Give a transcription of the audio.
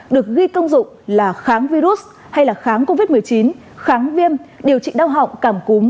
được ghi công dụng là kháng virus hay kháng covid một mươi chín kháng viêm điều trị đau họng cảm cúm